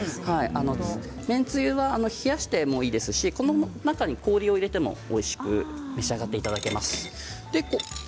麺つゆは冷やしてもいいですしこの中に氷を入れてもおいしく召し上がっていただけます。